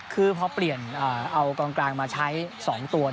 คือพอเปลี่ยนเอากองกลางมาใช้๒ตัว